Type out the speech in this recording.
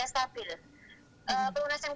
perlengkapan perlengkapan yang sudah siap